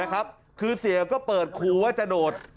นะครับคือเสียกล้องก็เปิดคูว่าจะโดด